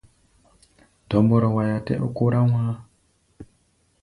Dɔmbɔrɔ waiá tɛ ó kórá wá̧á̧.